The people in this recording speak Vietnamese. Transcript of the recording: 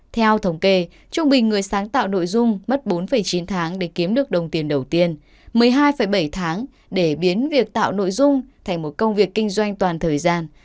theo thống kê trung bình người sáng tạo nội dung mất bốn chín tháng để kiếm được đồng tiền đầu tiên một mươi hai bảy tháng để biến việc tạo nội dung thành một công việc kinh doanh toàn thời gian